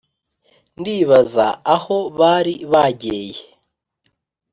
ndibaza aho bari bajyeye